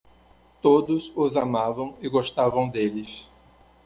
Todos os amavam e gostavam deles.